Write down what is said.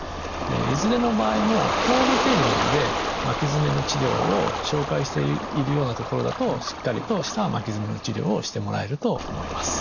いずれの場合もホームページなどで巻き爪の治療を紹介しているような所だとしっかりとした巻き爪の治療をしてもらえると思います。